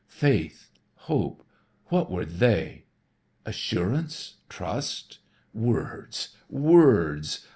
Faith, hope, what were they? Assurance, trust? Words, words!